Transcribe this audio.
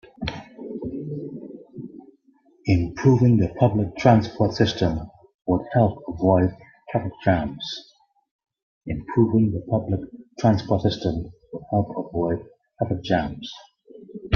Improving the public transport system would help avoid traffic jams.